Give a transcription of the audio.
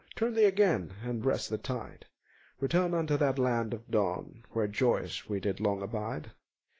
Turn thee again and breast the tide, Return unto that land of dawn Where joyous we did long abide.